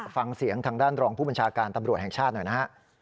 ฟังเสียงทางด้านรองผู้บัญชาการตำรวจแห่งชาติหน่อยนะฮะ